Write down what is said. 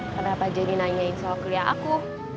kenapa jadi nanyain soal kuliah aku